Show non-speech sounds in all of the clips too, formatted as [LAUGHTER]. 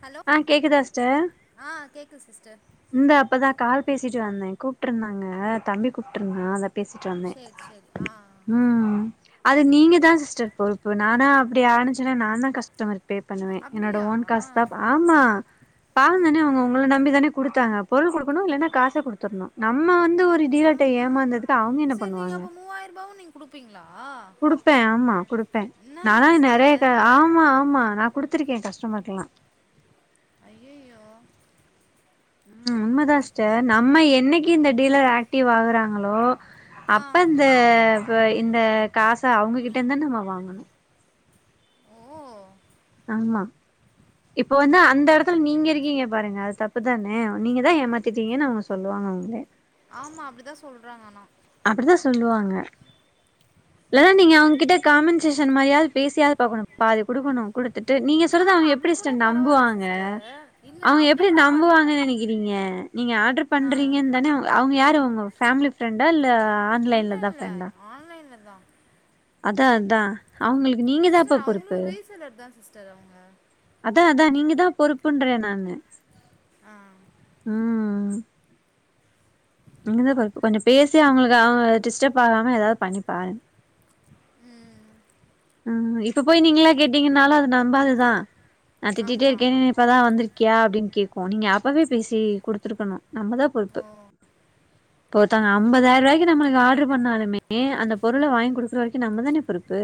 Hello ஆ கேக்குதா sister ஆ கேக்குது சிஸ்டர் இந்த இப்பதா கால் பேசிட்டு வந்தே கூப்ட்டு இருந்தாங்க தம்பி கூப்ட்டு இருந்தா அத பேசிட்டு வந்தே சேரி சேரி ஆ ம் அது நீங்க தா சிஸ்டர் பொறுப்பு நானா அப்புடி ஆனுச்சுன்னா நாந்தா கஸ் டமர்க்கு பே பண்ணுவே என்னோட அப்டியா ஓன் காஸ் தா ஆமா பாவம் தானே ஓஹோ அவுங்க உங்கள நம்பி தானே குடுத்தாங்க பொருள் குடுக்கணும் இல்லனா காஸ குடுத்துடணும் நம்ம வந்து ஒரு இது ஆ ஆ சேரி நீங்க அப்போ மூவாயிர ரூபாவு நீங்க குடுப்பீங்ளா குடுப்பே ஆமா குடுப்பே நா தா நெறைய சிஸ்டர் கா ஆ ஆமா ஆமா நா குடுத்திருக்கே கஸ்டமர்கெல்லா ஐய்யய்யோ ம் உண்மைதா சிஸ்டார் நம்ம என்னைக்கு இந்த டீலர் ஆக்டிவ் ஆகுறாங்களோ ஆ அப்ப இந்த இப்ப இந்த காச அவுங்ககிட்டருந்து தா நம்ம வாங்கணு ஓ ஆமா இப்ப வந்து அந்த இடத்துல நீங்க இருக்கீங்க பாருங்க அது தப்புதானே நீங்க தா ஏமாத்திட்டீங்கன்னு அவுங்க சொல்லுவாங்க உங்கள ஆமா அப்டிதா சொல்றாங்க ஆனா அப்டித்தா சொல்லுவாங்க இல்லன்னா ஓ நீங்க அவுங்ககிட்ட காமன் சேஷன் மாறியாவது பேசியாது பாக்கணு பாதி குடுக்கணும் குடுத் ட்டு நீங்க ஆ சொல்றது அவுங்க அப்டி எப்டி கூட சிஸ்டர் பரவால்ல நம்புவாங்க சிஸ்டர் இல்ல அவுங்க அப்டி எப்டி கூட பண் நம்புவாங்கன்னு நெனைக்கிறீங்க நீங்க ஆட்ரு ஆ பண்றீங்கன்னு தானே அவுங்க யாரு உங்க ஃபேமிலி ஃப்ரெண்டா இல்ல இல்ல ஆன்லைன்ல தா இல்ல ஆன்லைன்ல தா அத்தா அத்தா அவுங்களுக்கு நீங்கதாம்ப்பா பொறுப்பு த்லருந்து தா சிஸ்டர் அவுங்க அத்தா அத்தா நீங்க தா பொறுப்புன்றே நானு ஆ உம் நீங்கதா பொறுப்பு கொஞ்சோ பேசி அவங்களுக்கு அவுங்க டிஸ்டப் ஆகாம ஏதாவது பண்ணி பாருங்க ம் ம் இப்ப போய் நீங்களா கேட்டீங்கனாலு அது நம்பாதுதா நா திட்டிட்டே ஆமா இருக்கே இப்பதா வந்திருக்கியா அப்டின்னு கேக்கும் நீங்க அப்பவே பேசி குடுத்துருக்கணு நம்பதா பொறுப்பு ஓ இப்ப ஒருத்தங்க ஐம்பதாயிர ரூபாய்க்கு நம்மளுக்கு ஆட்ரு பண்ணாலுமே அந்த பொருள வாங்கி குடுக்குற வரைக்கும் நம்ப தானே பொறுப்பு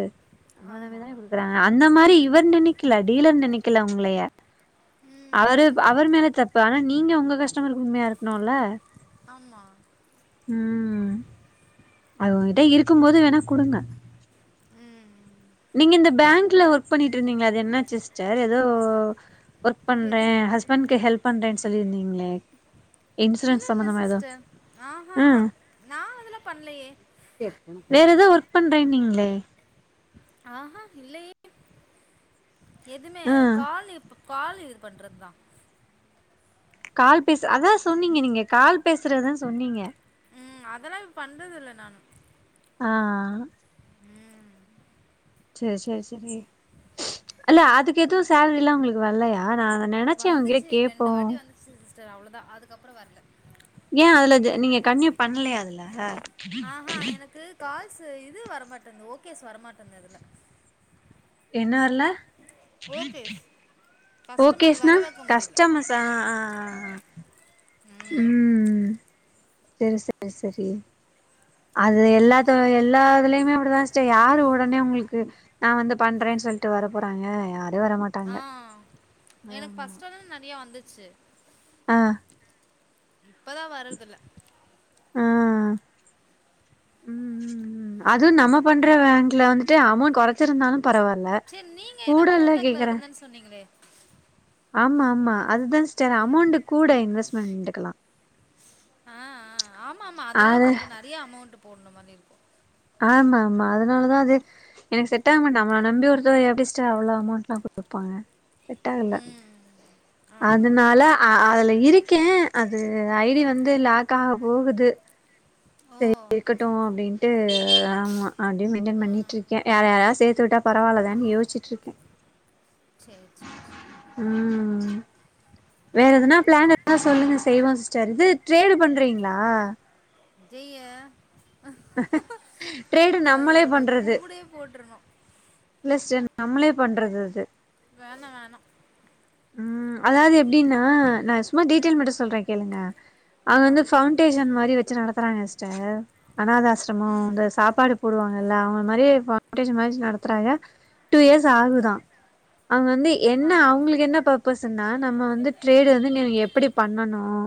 நம்பள நம்பி தான ஆமா குடுக்கறாங்க அந்த மாறி இவர் நெனைக்கல டீலர் நெனைக்கல உங்களைய அவரு ம் அவர் மேல தப்பு ஆனா நீங்க உங்க கஷ்டமருக்கு‌ உண்மையா இருக்கணுல்ல ஆமா ம் அது உங்ககிட்ட இருக்கும் போது வேணா குடுங்க நீங்க இந்த பேங்க்ல ஒர்க் பண்ணிட்டு இருந்தீங்ளே அது என்னாச்சு சிஸ்டர் ஏதோ ஒர்க் பண்றே எது ஹஸ்பண்ட்கு ஹெல்ப் பண்றேன்னு சொல்லியிருந்தீங்ளே இல்ல இல்ல சிஸ்டர் ஆ ஆஹாஹா நா அதெல்லா பண்லையே வேற ஏதோ ஒர்க் பண்றேனீங்ளே ஆ ஹா இல்லயே எதுல ஆ கால் இப்ப கால் இது பண்றது தா கால் பேச அத்தா சொன்னீங்க நீங்க கால் பேசுறதுதா சொன்னீங்க ம் அதெல்லா இப்ப பண்றதில்ல நானு ஆ ஆ உம் சேர் சேர் சேரி அல்ல அதுக்கு எதும் சேலரி எல்லா உங்ளுக் வல்லையா நான் நினைச்சேன் அங்கேயே கேடப்போம் ச சிஸ்டர் அவ்வள தான் அதுக்கப்புறம் வரல ஏன் அதுல நீங்க கண்டிணியு பண்லையா அதுல ஆஹா எனக்கு கால்ஸ் இது வரமாட்டேந்தது ஓகேஸ் வரமாட்டேந்தது அதில எனரல ஓகேஸ் கஸ்டமர் ஓகேஸ்னா வர வைக்க முடியல கஸ்டமர்ஸ் ஆ ம் உம் சரி சரி சரி அது எல்லாத்த எல்லா இதுலயுமே அப்படிதான் சிஸ்டர் யாரு உடனே உங்களுக்கு நான் வந்து பண்றேன்னு சொல்லிட்டு வர போறாங்க யாரும் வர மாட் ஆ எனக்கு ஃபர்ஸ்ட் உள்ளது நெறய வந்துச்சு ஆ இப்பதான் வர்றதில்ல ம் உம்ம்ம் அதுவும் நம்ம பண்ற பேங்க்ல வந்துட்டு அமௌண்ட் கொறைச்சிருந்தாலும் பரவால்ல சரி நீங்க ஏதோ கூடல்ல கோட்டாக்குல கேக்குற இருந்தன்னு சொன்னீங்களே ஆமா ஆமா அதுதான் சிஸ்டர் அமௌண்ட் கூட இன்வெஸ்ட்மெண்டக்கலாம் ஆஹ ஆ ஆமா ஆமா அதெல்லாம் அது கொஞ்சம் நிறைய அமௌண்ட் போடற மாதி இருக்கும் ஆமா ஆமா அதனாலதான் அது எனக்கு செட் ஆக மாட்ட நம்மள நம்பி ஒருத்தவ எப்டி சிஸ்டர் அவ்ளோ அமௌண்ட் லாம் கொடுப்பாங்க செட் ஆகல ம் ஆ அதனால அதுல இருக்கேன் அது ஐடி வந்து லாக் ஆக போகுது ஓ சரி இருக்கட்டும் அப்டின்னு டு ஆமா அப்டியும் மெயின்டன் ஆ பண்ணிட்ருக்கேன் யா யாரது சேத்து விட்டா பரவாலதான்னு யோச்சுட்டு இருக்கேன் சரி சரி சரி ம் ம் வேற எதனா பிளான் இருந்தா சொல்லுங்க செய்வோம் சிஸ்டர் இது ட்ரேடு பண்றீங்களா விஜய ட்ரேடு நம்மளே அதோட பண்றது கும்படே போட்டிருணும் இல்ல சிஸ்டர் நம்ளே பண்றது அது வேணா வேணா உம் அதாவது எப்டின்னா நான் டீட்டெயல் மட்டும் சொல்றேன் கேளுங்க அவங்க ஆ வந்து ஃபவுண்டேஷன் மாரி வச்சு நடத்துறாங்க சிஸ்டர் அநாத ஆசிரமம் ம் இந்த சாப்பாடு போடுவாங்கல்ல அவங்க மாரியே ஃபவுண்டேஷன் மாதி வச்சி நடத்துறாங்க டூ இயர்ஸ் ஆகுதான் அவங்க வந்து என்ன ஆ அவங்களுக்கு என்ன பர்பஸ்னா நம்ம வந்து டரேடு வந்து எப்படி பண்ணனும்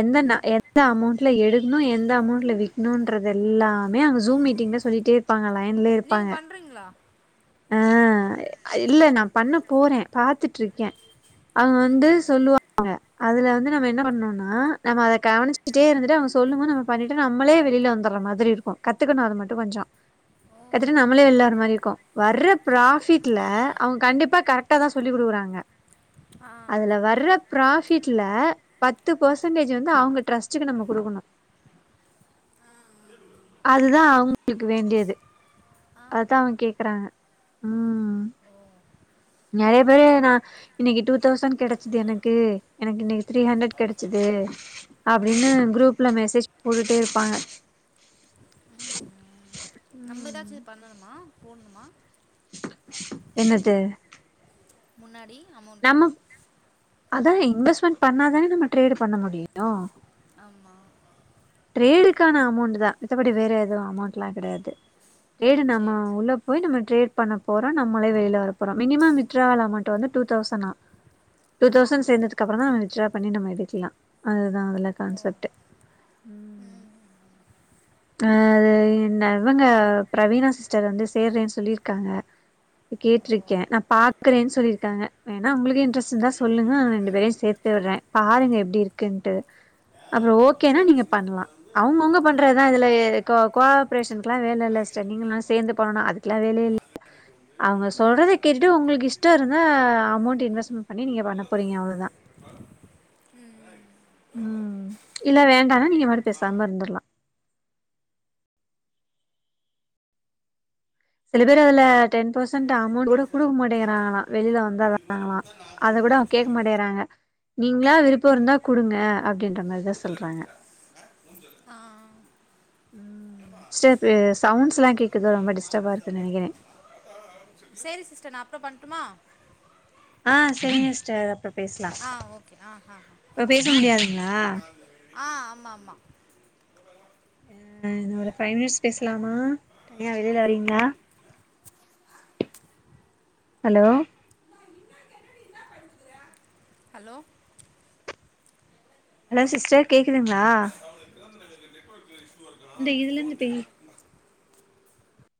எந்த எந்த அமௌண்ட்ல எடுக்கணும் எந்த அமௌண்ட்ல விக்கணும்ன்றது எல்லாமே அங்க ஜூம் மீட் டிங் சொல்லிட்டே இருப்பாங்க லயன்லே இருப்பாங்க நீங்கள் பண்ணுறீங்களா ஆஹ் இல்ல நான் பண்ண போறேன் பாத்துட்டு இருக்கேன் அங்க ம் வந்து ம். சொல்லுவாங்க அதுல வந்து நம்ம என்ன பண்னனும்னா நம்ம அதை கவனிச்சுட்டே இருந்துட்டு அவங்க சொல்லு நம்ம பண்ணிட்டு நம்மளே வெளில வந்துற மாதிரி மாதிரி இருக்கும் கத்துக்கணும் அது மட்டும் கொஞ்சம் ஓ கத்துட்டு ஓ. நம்மளே விளாற மாதிரி இருக்கும் வர்ற ப்ராஃபிட்ல அவங்க கண்டிப்பா கரெக்டா தான் சொல்லி் கொடுக்குறாங்க ஆ அதுல வர்ர ப்ராஃபிட்ல பத்து பர்சன்டேஜ் வந்து அவங்க ட்ரஸ்ட்டுக்கு நம்ம கொடுக்கணும் அதுதா அவங்களுக்கு வேண்டியது ஆஹா அததுதான் அவங்க கேக்குறாங்க உஹம் ஓ நிறைய பேரு நான் இன்னைக்கு டூ தௌசண்ட் கெடைச்சுது எனக்கு எனக்கு இன்னைக்கு த்ரீ ஹண்ட்ரட் கெடைச்சிது ஓ அப்டின்னு குரூப்ல மெசேஜ் போட்டுட்டே இருப்பாங்க ம் நம்மெதாச்சி பண்ணணுமா போடணுமா என்னது முன்னாடி அமௌண்ட்டு நம்ம அதா இன்வெஸ்ட்மெண்ட் பண்ணாதானே நம்ம ட்ரேடு பண்ண முடியு ஆமா ட்ரேடுக்கான அமௌண்ட்தா மித்தபடி வேற எதுவு அமௌண்ட்லா கெடையாது ட்ரேடு நம்ம சரி சரி உள்ள போய் நம்ம ட்ரேட் பண்ண போறோ நம்மளே வெளில வர போறோ மினிமம் விட்ராவல் அமௌண்ட் வந்து டூ தௌசணா டூ ஆஹா தௌசண்ட் சேந்ததுக்கப்புறந்தா நம்ம வித்ட்ரா பண்ணி நம்ம எடுக்கலா அதுதா அதுல ஓ கான்செப்ட்டு ம் அ அது என் இவங்க பிரவீனா சிஸ்டர் வந்து சேர்றேன்னு சொல்லிருக்காங்க ஓ கேட்ருக்கே நா பாக்கறேன் சொல்லிருக்கங்க வேணா உங்களுக்கு இன்டரஸ்ட் இருந்தா பெயிண்ட் சொல்லுங்க இங்கே ரெண்டு வேலை பேரையு சேத்து முடிஞ்சிச்சு விடுறே பாருங்க எப்படி இருக்குன்ட்டு அப்புற ஓகேனா சரி. நீங்க அடிக்கிறதுக்கு பண்ணலாம் வந்து அவங்கவுங்க நான் வந்து பண்றதா ஒரு இதுல போட்டோ இக்கு எடுத்தாங்க கோவப்ரேஷனுக்கெலா வேல இல்ல நாளைக்கு சிஸ்டர் எது நீங்கல்லா முடிச்சிடலாம் சேந்து பண்ணனு அதுக்கெல்லா வேலையே இல்ல இன்னைக்கு வந்து அவங்க சொல்றத கேட்டு உங்களுக்கு பர்மிஷன் இஷ்ட இருந்தா அமௌண்ட் கம்ப்ளைண்ட் இன்வெஸ்ட்மெண்ட் பண்ணி நீங்க பண்ண போறிங்க அவ்ளதா ம் ம் ம் இல்ல வேண்டானா நீங்க பாட்டுக் பேசாம இருந்தர்லா சில பேரு அதுல டென் பெர்சன்ட் அமௌண்ட் கூட பைசால குடுக்க புக்காச்சு மாட்டேங்கிறாங்களா வெளில இதுக்கு மேலே வந்தர்றாங்கலா புக்கா நான் தான் அத கூட ஒன்றும் அவங்க எக்ஸ்ட்ரா கேக்க மாட்டேங்கறாங்க நீங்களா விருப்ப இருந்தா குடுங்க அப்டின்ற மாரிதா மூஞ்சல் சொல்றாங்க அடிக்குதா ஆ ம் செர் சவுண்ட்ஸ் எல்லா கேக்குது ரொம்ப டிஸ்டர்பா இருக்குன் நெனைக்கிறே [UNINTELLIGIBLE] சேரி சிஸ்டர் நா அப்புற பண்ட்டுமா ஆ செரிங்க சிஸ்டர் அப்பற ஆ ஓகே ஆ ஆ பேச முடியாதுங்களா ஆ ஆமா ஆமா அ இனு ஒரு ஃபைவ் மினிட்ஸ் பேசலாமா தனியா வெளில வரிங்ளா ஹலோ ஹலோ ஹலோ சிஸ்டர் கேக்குதுங்ளா அவக்குநெட் ஒர்க்கு இசுவா இந்த இதுக்குதுகல இதுல போன் இருந்து பேசு கேறாங்க